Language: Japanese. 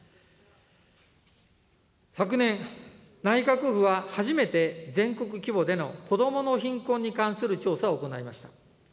昨年、内閣府は初めて全国規模での子どもの貧困に関する調査を行いました。